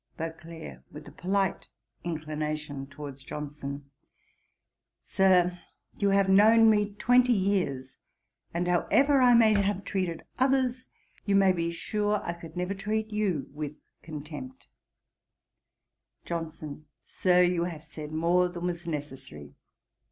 BEAUCLERK. (with a polite inclination towards Johnson) 'Sir, you have known me twenty years, and however I may have treated others, you may be sure I could never treat you with contempt' JOHNSON. 'Sir, you have said more than was necessary.'